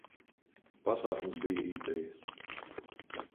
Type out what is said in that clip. Pasākums bija izdevies!